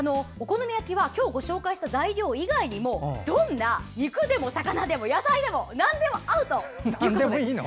今日ご紹介した材料以外にもどんな肉でも魚でも野菜でもなんでも合うと。